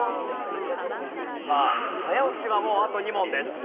さあ早押しはもうあと２問です。